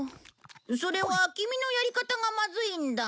それはキミのやり方がまずいんだ。